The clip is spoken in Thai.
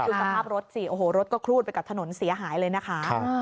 สภาพรถสิโอ้โหรถก็ครูดไปกับถนนเสียหายเลยนะคะ